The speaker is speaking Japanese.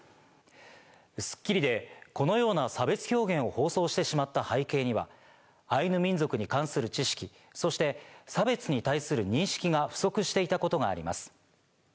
『スッキリ』でこのような差別表現を放送してしまった背景にはアイヌ民族に関する知識そして差別に対する認識が不足していたことがあります。